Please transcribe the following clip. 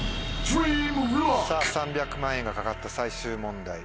さぁ３００万円が懸かった最終問題